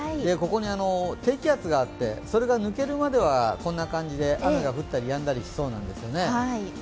ここに低気圧があって、それが抜けるまではこんな感じで雨が降ったりやんだりしそうなんですよね。